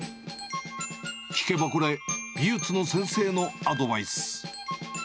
聞けばこれ、美術の先生のアドバイス。